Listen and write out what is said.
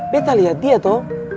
betta liat dia tuh